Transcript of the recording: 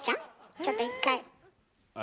ちょっと一回。